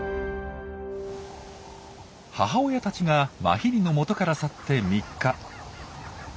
母親たちがマヒリのもとから去って３日。